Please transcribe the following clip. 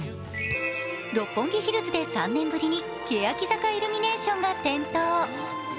六本木ヒルズで３年ぶりにけやき坂イルミネーションが点灯。